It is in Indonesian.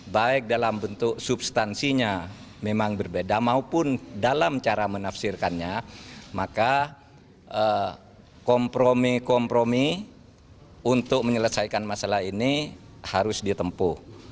baik dalam bentuk substansinya memang berbeda maupun dalam cara menafsirkannya maka kompromi kompromi untuk menyelesaikan masalah ini harus ditempuh